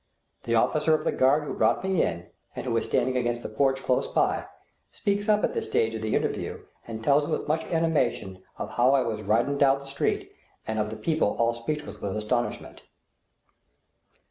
The officer of the guard who brought me in, and who is standing against the porch close by, speaks up at this stage of the interview and tells with much animation of how I was riding down the street, and of the people all speechless with astonishment.